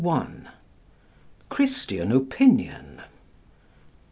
CHRISTIAN OPINION.